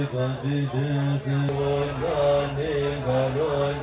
สวัสดีครับ